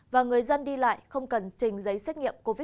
và người dân đi lại không cần trình giấy xét nghiệm covid một mươi chín